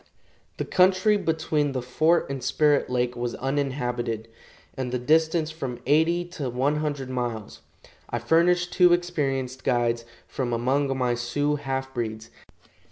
The country between the fort and Spirit lake was uninhabited, and the distance from eighty to one hundred miles. I furnished two experienced guides from among my Sioux half breeds.